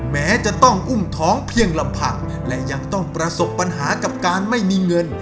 แม้จะต้องอุ้มท้องเพียงลำพังและยังต้องประสบปัญหากับการไม่มีเงิน